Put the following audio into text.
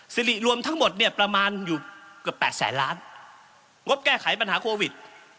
สิริรวมทั้งหมดเนี่ยประมาณอยู่เกือบ๘แสนล้านงบแก้ไขปัญหาโควิด